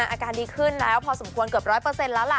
อาการดีขึ้นแล้วพอสมควรเกือบร้อยเปอร์เซ็นต์แล้วล่ะ